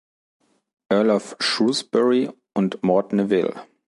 Earl of Shrewsbury und Maud Nevill.